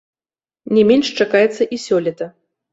Не менш чакаецца і сёлета.